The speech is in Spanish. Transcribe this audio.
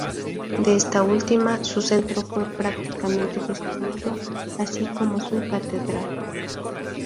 De esta última, su centro fue prácticamente destruido, así como su catedral.